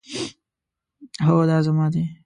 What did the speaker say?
هو، دا زما دی